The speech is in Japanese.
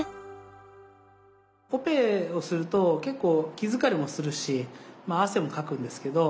オペをすると結構気疲れもするし汗もかくんですけど